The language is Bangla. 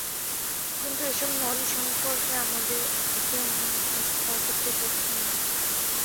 কিন্তু এসব নদী সম্পর্কে আমাদের একে অন্যের কাছে পর্যাপ্ত তথ্য নেই।